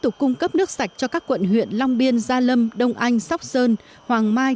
tục cung cấp nước sạch cho các quận huyện long biên gia lâm đông anh sóc sơn hoàng mai